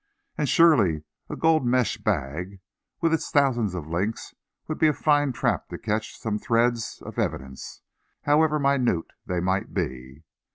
And surely a gold mesh bag, with its thousands of links would be a fine trap to catch some threads of evidence, however minute they might be.